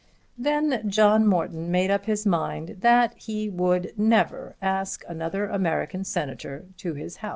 Then John Morton made up his mind that he would never ask another American Senator to his house.